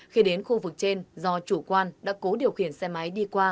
khi đến khu vực trên do chủ quan đã cố điều khiển xe máy đi qua